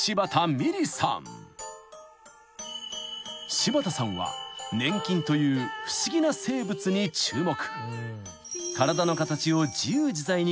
［柴田さんは粘菌という不思議な生物に注目］